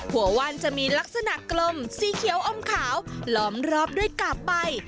ว่านจะมีลักษณะกลมสีเขียวอมขาวล้อมรอบด้วยกาบใบ